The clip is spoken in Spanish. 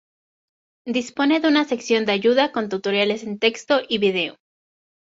Dispone de una sección de ayuda con tutoriales en texto y video.